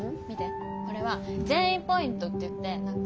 これは善意ポイントっていって。